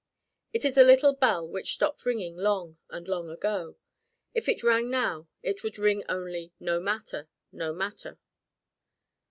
It is a little bell which stopped ringing long and long ago. If it rang now it would ring only No Matter, No Matter.